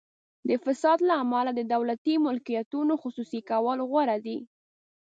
د فساد له امله د دولتي ملکیتونو خصوصي کول غوره دي.